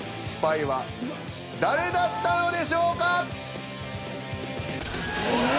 スパイは誰だったのでしょうか！？